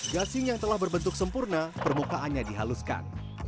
gasing yang telah berbentuk sempurna permukaannya dihaluskan